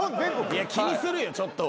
気にするよちょっとは。